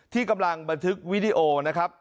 ที่กำลังบันทึกวิดีโอนะครับ